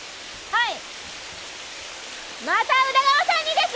はい。